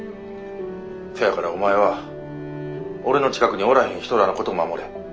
そやからお前は俺の近くにおらへん人らのこと守れ。